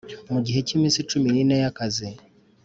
mu gihe cy iminsi cumi n ine y akazi